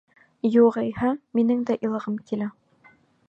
Юғиһә минең дә илағым килә.